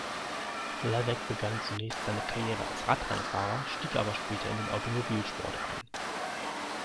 Levegh begann zunächst seine Karriere als Radrennfahrer, stieg aber später in den Automobilsport ein.